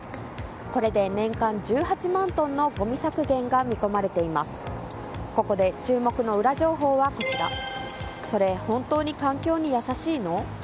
これで年間１８万トンのごみ削減が見込まれています。